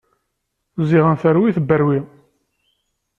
Ziɣen terwi, tebberwi!